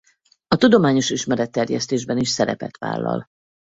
A tudományos ismeretterjesztésben is szerepet vállal.